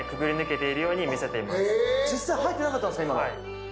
実際入ってなかったんですか今の。